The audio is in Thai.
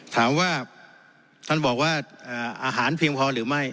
ถามว่าท่านบอกว่าอาหารเพียงพอหรือไม่